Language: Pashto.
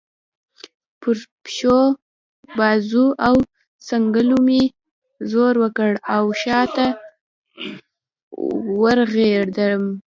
پر پښو، بازو او څنګلو مې زور وکړ او شا ته ورغړېدم.